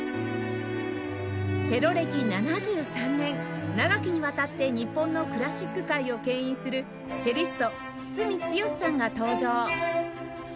チェロ歴７３年長きにわたって日本のクラシック界を牽引するチェリスト堤剛さんが登場